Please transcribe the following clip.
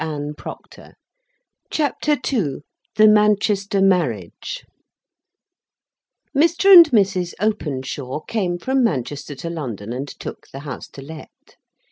He read what follows: THE MANCHESTER MARRIAGE Mr. and Mrs. Openshaw came from Manchester to London and took the House To Let.